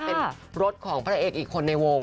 เป็นรถของพระเอกอีกคนในวง